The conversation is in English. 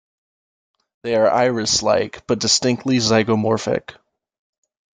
They are iris-like but distinctly zygomorphic.